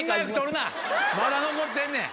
まだ残ってんねん。